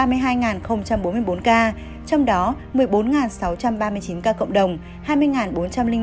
trong đó một mươi bốn sáu trăm ba mươi chín ca cộng đồng hai mươi bốn trăm linh năm ca phát hiện trong khu cách ly